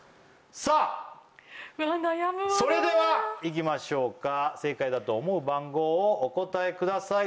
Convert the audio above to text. さあそれではうわ悩むわいきましょうか正解だと思う番号をお答えください